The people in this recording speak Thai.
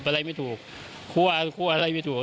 ยิบอะไรไม่ถูกคัวเขาคัวอะไรไม่ถูก